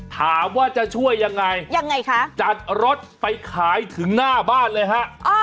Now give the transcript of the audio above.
ถามว่าจะช่วยยังไงยังไงคะจัดรถไปขายถึงหน้าบ้านเลยฮะ